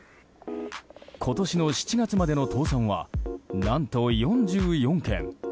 今年の７月までの倒産は何と、４４件。